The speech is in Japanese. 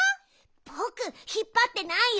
ぼくひっぱってないよ！